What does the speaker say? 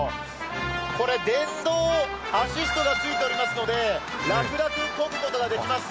電動アシストがついているので楽々こぐことができます。